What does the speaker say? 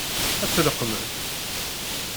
Ad tt-leqqmen?